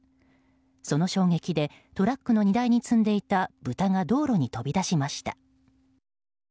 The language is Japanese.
その衝撃でトラックの荷台に積んでいた豚が道路に飛び出しました。